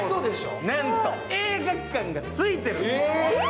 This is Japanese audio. なんと映画館が付いてるんです。